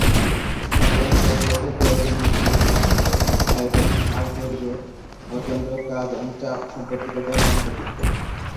সমাকলন ক্যালকুলাসের প্রয়োগের মধ্যে ক্ষেত্রফল, আয়তন, আর্ক দৈর্ঘ্য, ভরকেন্দ্র, কাজ এবং চাপ সম্পর্কিত গণনা অন্তর্ভুক্ত।